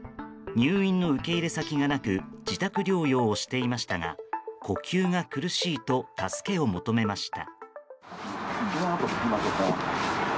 入院の受け入れ先がなく自宅療養をしていましたが呼吸が苦しいと助けを求めました。